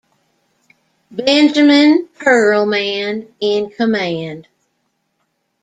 Benjamin Perlman in command.